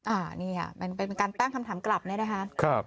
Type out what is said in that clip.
อันนี้เป็นการตั้งคำถามกลับเนี่ยนะคะครับ